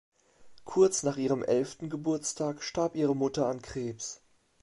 Kurz nach ihrem elften Geburtstag starb ihre Mutter an Krebs.